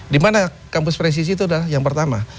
dimana kampus presisi itu adalah yang pertama